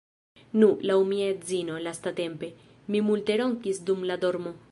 Nu, laŭ mia edzino, lastatempe, mi multe ronkis dum la dormo